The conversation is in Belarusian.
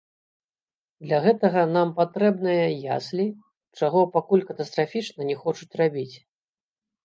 Для гэтага нам патрэбныя яслі, чаго пакуль катастрафічна не хочуць рабіць.